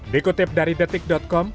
dikutip dari detik com